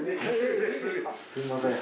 すみません。